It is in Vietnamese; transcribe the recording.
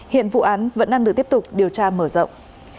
hiện vụ án vẫn đang được tiếp tục điều tra mở rộng